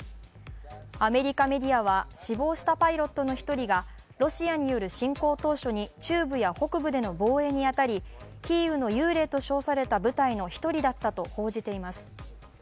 アメリカメディアは死亡したパイロットの１人がロシアによる侵攻当初に中部や北部での防衛に当たり、キーウの幽霊と称された部隊の１人だったと報じています。